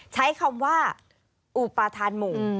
ใช้คำว่าอุปธานหมู่